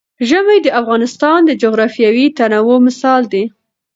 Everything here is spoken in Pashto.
ژمی د افغانستان د جغرافیوي تنوع مثال دی.